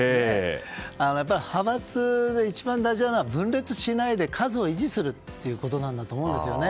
派閥で一番大事なのは分裂しないで数を維持することだと思うんですよね。